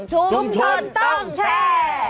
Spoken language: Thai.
ชุมชนต้องแชร์